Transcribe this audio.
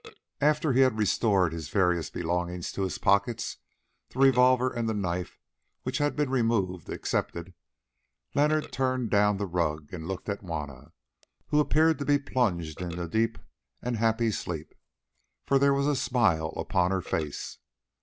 After he had restored his various belongings to his pockets, the revolver and the knife which had been removed excepted, Leonard turned down the rug and looked at Juanna, who appeared to be plunged in a deep and happy sleep, for there was a smile upon her face.